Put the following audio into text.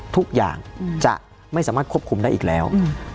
ทุกอย่างจะไม่สามารถควบคุมได้อีกแล้ว